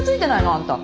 あんた。